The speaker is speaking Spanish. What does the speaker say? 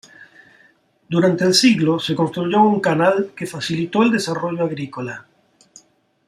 Durante el siglo se construyó un canal que facilitó el desarrollo agrícola.